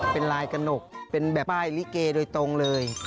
เป็นลายกระหนกเป็นแบบป้ายลิเกโดยตรงเลย